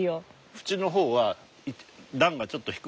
縁の方は段がちょっと低くて。